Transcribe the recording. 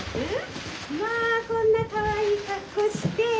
まあこんなかわいい格好して。